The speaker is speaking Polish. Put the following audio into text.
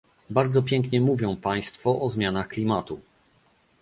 Bardzo pięknie mówią państwo o zmianach klimatu